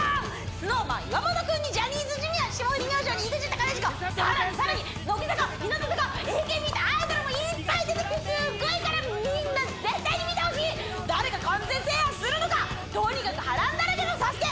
ＳｎｏｗＭａｎ岩本君にジャニーズＪｒ．霜降り明星にＥＸＩＴ兼近さらにさらに乃木坂日向坂ＡＫＢとアイドルもいーっぱい出てきてすっごいからみんな絶対に見てほしい誰が完全制覇するのかとにかく波乱だらけのＳＡＳＵＫＥ